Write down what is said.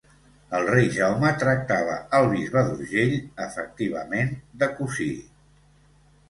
El rei Jaume tractava el bisbe d'Urgell, efectivament, de cosí.